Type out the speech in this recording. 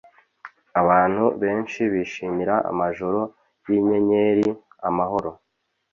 Abantu benshi bishimira amajoro yinyenyeri, amahoro.